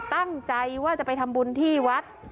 ตั้งใจว่าจะไปทำบุญที่วัด